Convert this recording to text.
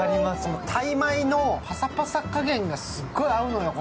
タイ米のパサパサ加減がすごい合うのよ。